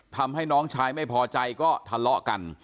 ทำให้น้องชายไม่พอใจก็ทะเลาะกัน